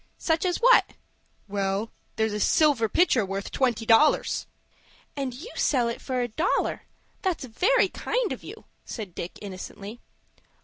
"Such as what?" "Well, there's a silver pitcher worth twenty dollars." "And you sell it for a dollar. That's very kind of you," said Dick, innocently.